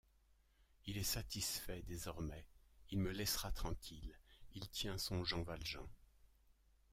Il est satisfait désormais, il me laissera tranquille, il tient son Jean Valjean!